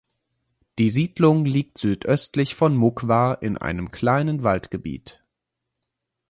Die Siedlung liegt südöstlich von Muckwar in einem kleinen Waldgebiet.